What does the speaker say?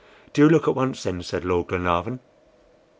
"Do look at once, then," said Lord Glenarvan.